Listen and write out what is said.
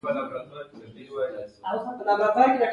هلته د جو په نوم هم ډیرې لوحې وې